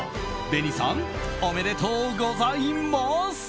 ＢＥＮＩさんおめでとうございます！